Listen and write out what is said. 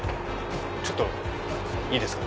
ちょっといいですか？